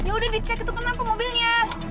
yaudah dicek itu kenapa mobilnya